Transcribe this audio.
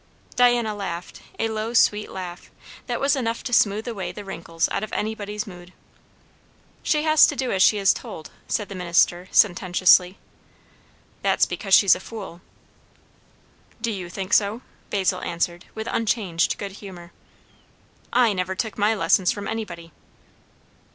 Diana laughed, a low, sweet laugh, that was enough to smooth away the wrinkles out of anybody's mood. "She has to do as she's told," said the minister sententiously. "That's because she's a fool." "Do you think so?" Basil answered with unchanged good humour. "I never took my lessons from anybody."